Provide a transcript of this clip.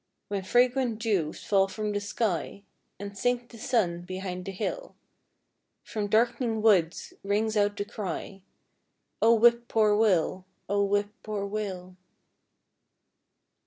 When fragrant dews fall from the sky— And sinks the sun behind the hill, From dark'ning woods rings out the cry, O Whip poor Will—O Whip poor Will.